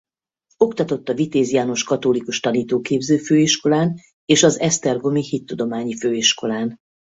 Oktatott a Vitéz János Katolikus Tanítóképző Főiskolán és az Esztergomi Hittudományi Főiskolán.